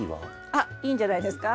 あっいいんじゃないですか。